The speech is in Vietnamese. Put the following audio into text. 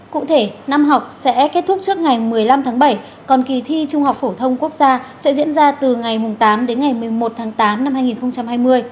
cụ thể năm học sẽ kết thúc trước ngày một mươi năm tháng bảy còn kỳ thi trung học phổ thông quốc gia sẽ diễn ra từ ngày tám đến ngày một mươi một tháng tám năm hai nghìn hai mươi